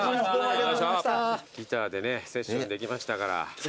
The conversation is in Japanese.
ギターでねセッションできましたから。